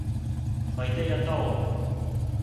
Ҡайҙа ята ул?